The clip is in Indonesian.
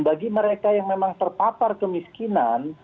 bagi mereka yang memang terpapar kemiskinan